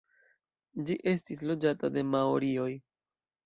Ĝi estis loĝata de maorioj.